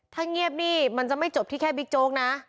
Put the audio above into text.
ถ้าเงียบนี่มันจะไม่จบที่แค่บิ๊กโจ๊กนะ